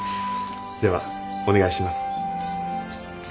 ではお願いします。